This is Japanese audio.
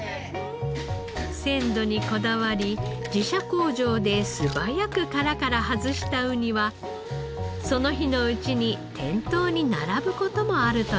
鮮度にこだわり自社工場で素早く殻から外したウニはその日のうちに店頭に並ぶ事もあるといいます。